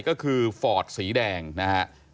ก็คือฟอร์ดสีแดงนะฮะ